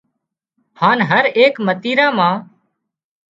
هانَ هر ايڪ متريرا مان